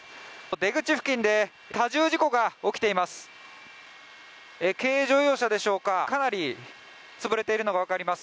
出口付近で多重事故が起きています。